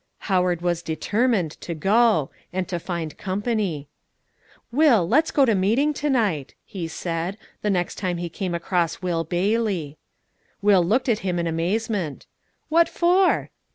Howard was determined to go, and to find company. "Will, let's go to meeting to night," he said, the next time he came across Will Bailey. Will looked at him in amazement. "What for?"